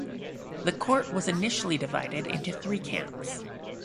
The Court was initially divided into three camps.